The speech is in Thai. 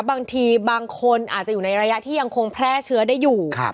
บางทีบางคนอาจจะอยู่ในระยะที่ยังคงแพร่เชื้อได้อยู่